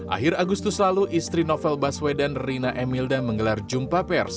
akhir agustus lalu istri novel baswedan rina emilda menggelar jumpa pers